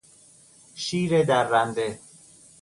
شیر درنده